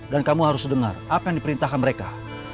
dan kamu harus dengar apa yang diperintahkan mereka